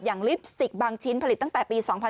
ลิปสติกบางชิ้นผลิตตั้งแต่ปี๒๕๕๙